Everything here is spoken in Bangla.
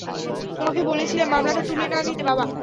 তোমাকে বলেছিলাম মামলাটা তুলে না নিতে, বাবা।